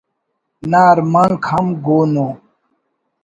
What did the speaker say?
نا ارمانک ہم گون ءُ